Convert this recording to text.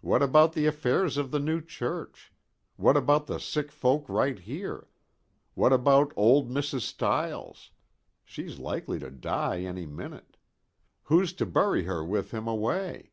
"What about the affairs of the new church? What about the sick folk right here? What about old Mrs. Styles? She's likely to die any minute. Who's to bury her with him away?